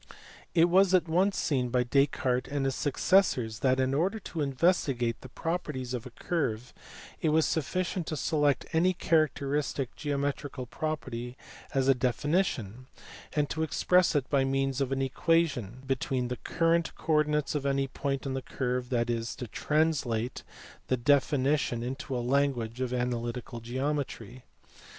It was at once seen by Descartes and his successors that in order to investigate the properties of a curve it was sufficient to select any characteristic geometrical property as a definition, and to express it by means of an equation between the (current) coordinates of any point on the curve, that is, to translate the definition into the language of analytical geometry.